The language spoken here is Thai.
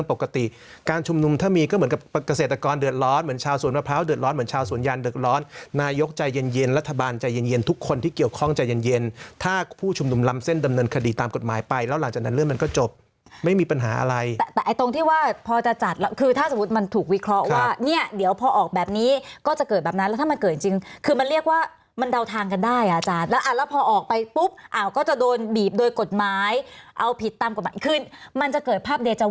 สมมติให้อาจารย์เลือกสักเรื่องหนึ่งถ้าสมมติให้อาจารย์เลือกสักเรื่องหนึ่งถ้าสมมติให้อาจารย์เลือกสักเรื่องหนึ่งถ้าสมมติให้อาจารย์เลือกสักเรื่องหนึ่งถ้าสมมติให้อาจารย์เลือกสักเรื่องหนึ่งถ้าสมมติให้อาจารย์เลือกสักเรื่องหนึ่งถ้าสมมติให้อาจารย์เลือกสักเรื่องหนึ่งถ้าสมมติให้อาจาร